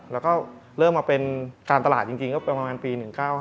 แล้วก็เริ่มมาเป็นการตลาดจริงก็ประมาณปี๑๙๕